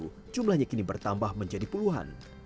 kurun satu hindu jumlahnya kini bertambah menjadi puluhan